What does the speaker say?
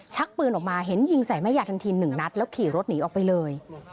ชักปืนออกมาเห็นยิงใส่แม่ยายทันทีหนึ่งนัดแล้วขี่รถหนีออกไปเลย